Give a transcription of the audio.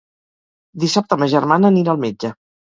Dissabte ma germana anirà al metge.